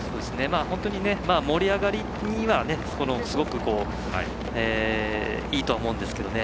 盛り上がりにはすごくいいとは思うんですけどね。